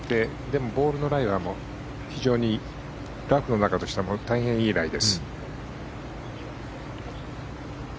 でも、ボールのライは非常にラフの中としては大変いいライです。